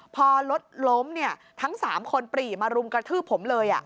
พอรถล้มทั้ง๓คนปรีมารุมกระทืบผมเลย